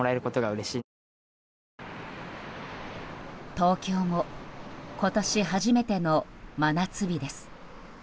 東京も今年初めての真夏日です。